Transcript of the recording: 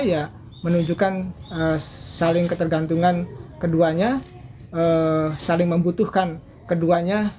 ya menunjukkan saling ketergantungan keduanya saling membutuhkan keduanya